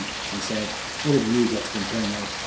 â he said. âWhat have you got to complain of?